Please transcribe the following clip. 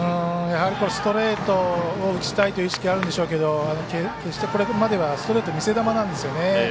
ストレートを打ちたいという意識があるんでしょうけど決して、これまではストレート見せ球なんですよね。